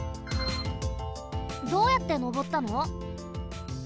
どうやってのぼったの？